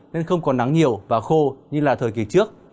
nên không còn nắng nhiều và khô như là thời kỳ trước